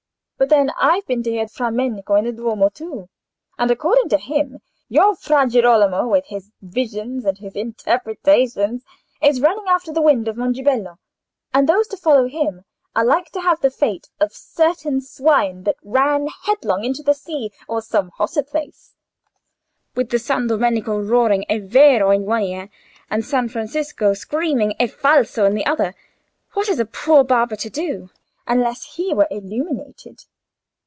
But then, I've been to hear Fra Menico in the Duomo too; and according to him, your Fra Girolamo, with his visions and interpretations, is running after the wind of Mongibello, and those who follow him are like to have the fate of certain swine that ran headlong into the sea—or some hotter place. With San Domenico roaring è vero in one ear, and San Francisco screaming è falso in the other, what is a poor barber to do—unless he were illuminated?